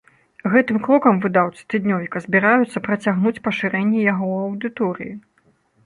Гэтым крокам выдаўцы тыднёвіка збіраюцца працягнуць пашырэнне яго аўдыторыі.